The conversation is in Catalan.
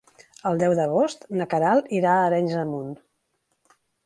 El deu d'agost na Queralt irà a Arenys de Munt.